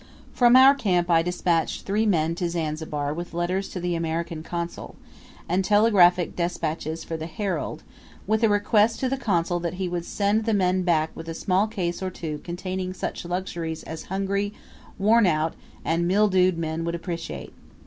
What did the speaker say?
From our camp I despatched three men to Zanzibar with letters to the American Consul, and telegraphic despatches for the 'Herald,' with a request to the Consul that he would send the men back with a small case or two containing such luxuries as hungry, worn out, and mildewed men would appreciate.